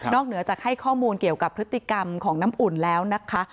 เหนือจากให้ข้อมูลเกี่ยวกับพฤติกรรมของน้ำอุ่นแล้วนะคะ